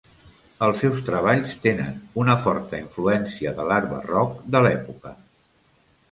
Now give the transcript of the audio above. Els seus treballs tenen una forta influència de l'art barroc de l'època.